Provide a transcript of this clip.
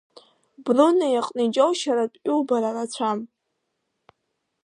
Брунеи аҟны иџьоушьаратә иубара рацәам.